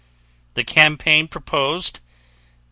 The campaign proposed: 1.